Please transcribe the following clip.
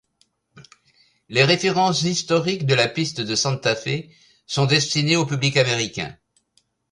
Les références historiques de la piste de Santa Fe sont destinées au public américain.